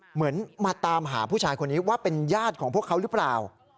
เหมือนมาตามหาผู้ชายคนนี้ว่าเป็นญาติของพวกเขาหรือเปล่า